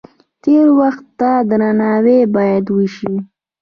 تیر وخت ته درناوی باید وشي.